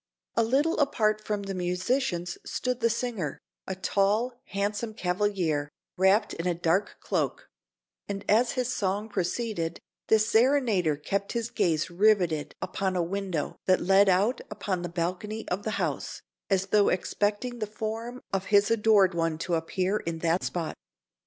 A little apart from the musicians stood the singer, a tall, handsome cavalier, wrapped in a dark cloak; and as his song proceeded, the serenader kept his gaze rivetted upon a window that led out upon the balcony of the house, as though expecting the form of his adored one to appear in that spot.